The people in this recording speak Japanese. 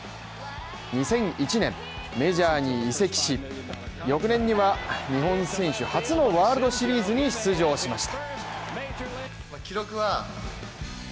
２００１年、メジャーに移籍し、翌年には日本選手初のワールドシリーズに出場しました。